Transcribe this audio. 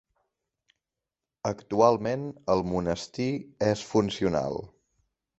Actualment el monestir és funcional.